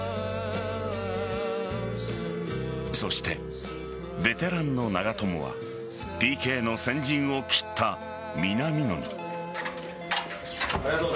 そして、ベテランの長友はＰＫの先陣を切った南野に。